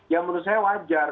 ya menurut saya wajar